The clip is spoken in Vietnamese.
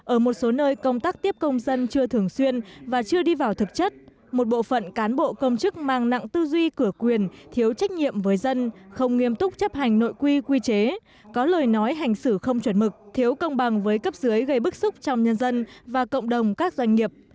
ở một số nơi công tác tiếp công dân chưa thường xuyên và chưa đi vào thực chất một bộ phận cán bộ công chức mang nặng tư duy cửa quyền thiếu trách nhiệm với dân không nghiêm túc chấp hành nội quy quy chế có lời nói hành xử không chuẩn mực thiếu công bằng với cấp dưới gây bức xúc trong nhân dân và cộng đồng các doanh nghiệp